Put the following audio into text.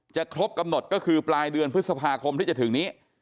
ครบกำหนดก็คือปลายเดือนพฤษภาคมที่จะถึงนี้